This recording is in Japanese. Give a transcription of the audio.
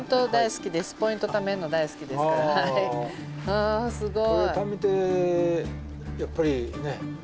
あすごい。